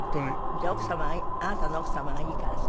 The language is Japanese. じゃあ奥様があなたの奥様がいいからさ。